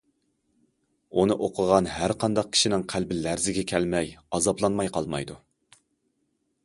ئۇنى ئوقۇغان ھەر قانداق كىشىنىڭ قەلبى لەرزىگە كەلمەي، ئازابلانماي قالمايدۇ.